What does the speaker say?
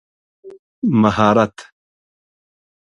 مهارت